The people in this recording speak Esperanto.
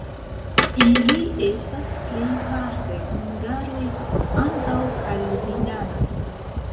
Ili estas plejparte hungaroj, ankaŭ kalvinanoj.